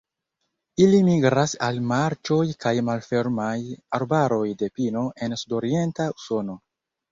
Ili migras al marĉoj kaj malfermaj arbaroj de pino en sudorienta Usono.